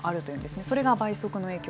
それが倍速の影響